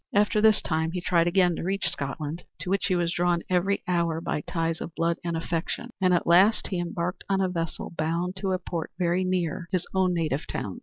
After this time he tried again to reach Scotland, to which he was drawn every hour by ties of blood and affection; and at last he embarked on a vessel bound to a port very near his own native town.